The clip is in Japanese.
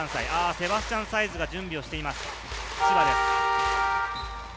セバスチャン・サイズが準備をしています、千葉です。